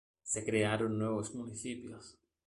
Se crearon nuevos municipios.